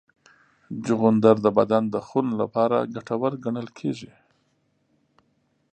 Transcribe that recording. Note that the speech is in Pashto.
چغندر د بدن د خون لپاره ګټور ګڼل کېږي.